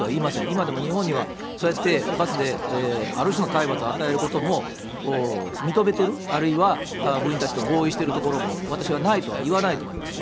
今でも日本にはそうやって、罰である種の体罰を与えることも認めている、あるいは部員たちと合意しているところも、私はないとは言えないと思います。